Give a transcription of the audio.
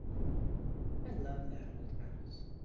I love that old house.